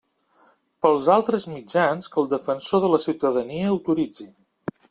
Pels altres mitjans que el Defensor de la Ciutadania autoritzi.